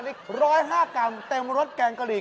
อีก๑๐๕กรัมเต็มรสแกงกะหรี่